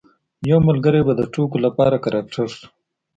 یو ملګری به د ټوکو لپاره کرکټر شو.